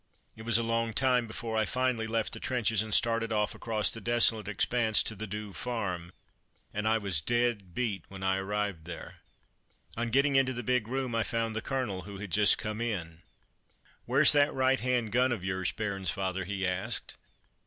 It was a long time before I finally left the trenches and started off across the desolate expanse to the Douve farm, and I was dead beat when I arrived there. On getting into the big room I found the Colonel, who had just come in. "Where's that right hand gun of yours, Bairnsfather?" he asked.